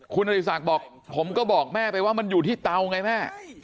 คุณอริสักบอกผมก็บอกแม่ไปว่ามันอยู่ที่เตาไงแม่